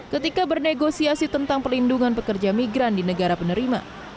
ketika bernegosiasi tentang pelindungan pekerja migran di negara penerima